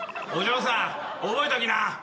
お嬢さん覚えときな。